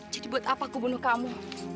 jadi buat apa aku bunuh kamu